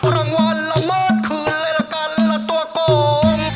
รางวัลละเมิดขึ้นแล้วกันละตัวกง